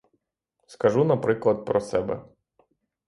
Скажу, наприклад, про себе.